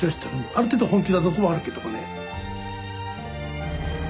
ある程度本気なとこはあるけどもね。